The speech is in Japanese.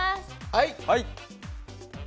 はい。